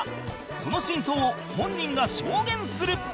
その真相を本人が証言する